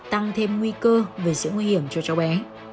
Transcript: tăng thêm nguy cơ về sự nguy hiểm cho cháu bé